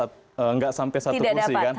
tidak sampai satu kursi kan